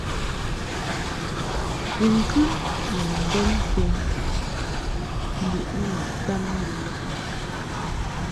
Bɨŋkɨ ni mbɛn penkaʼ mbiʼni ma tam lilɔʼ.